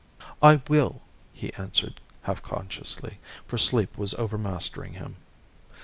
"I will!" he answered, half unconsciously, for sleep was overmastering him.